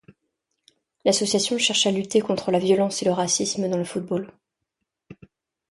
L'association cherche à lutter contre la violence et le racisme dans le football.